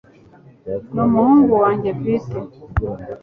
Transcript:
n'umuhungu wanjye bwite